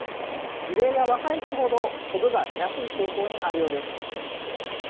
樹齢が若い木ほど、こぶが出やすい傾向にあるようです。